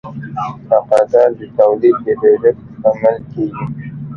تقاضا د تولید د ډېرښت لامل کیږي.